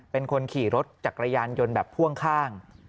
เป็นคนขี่รถจักรยานยนต์แบบพ่วงข้าง